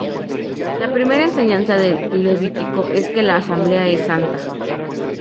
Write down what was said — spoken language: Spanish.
La primera enseñanza del Levítico es que la asamblea es santa.